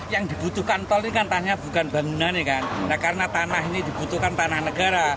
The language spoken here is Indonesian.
yang dibutuhkan tol ini kan tanahnya bukan bangunannya kan karena tanah ini dibutuhkan tanah negara